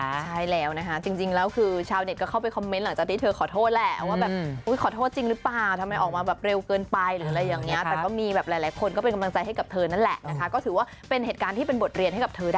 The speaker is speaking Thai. ใช่แล้วนะคะจริงแล้วคือชาวเน็ตก็เข้าไปคอมเม้นต์หลังจากที่